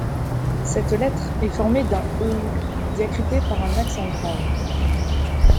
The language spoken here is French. Cette lettre est formée d'un Ʉ diacrité par un accent grave.